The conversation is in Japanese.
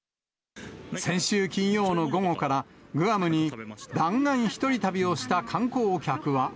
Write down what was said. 先週金曜の午後から、グアムに弾丸一人旅をした観光客は。